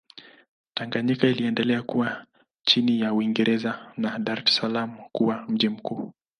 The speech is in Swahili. Tanganyika iliendelea kuwa chini ya Uingereza na Dar es Salaam kuwa mji mkuu.